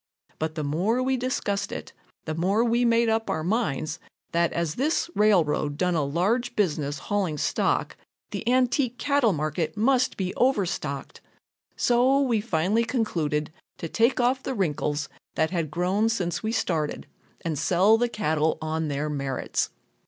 But the more we discussed it, the more we made up our minds that as this railroad done a large business hauling stock, the antique cattle market must be overstocked. So we finally concluded to take off the wrinkles that had grown since we started and sell the cattle on their merits.